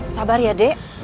sabar ya dek